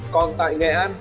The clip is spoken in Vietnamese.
còn tại nghệ an